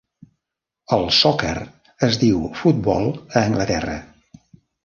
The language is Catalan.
El "soccer" es diu futbol a Anglaterra.